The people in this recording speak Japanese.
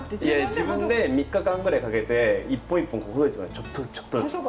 自分で３日間ぐらいかけて一本一本ほどいていくんですちょっとずつちょっとずつ。